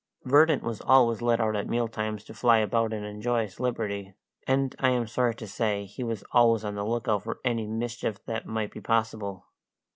Verdant was always let out at meal times to fly about and enjoy his liberty, and I am sorry to say he was always on the look out for any mischief that might be possible.